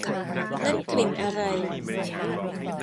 นั่นกลิ่นอะไร